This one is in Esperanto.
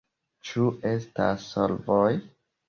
Ĉu estas solvoj?